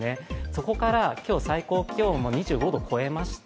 そこから今日、最高気温も２５度超えました。